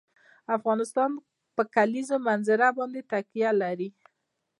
افغانستان په د کلیزو منظره باندې تکیه لري.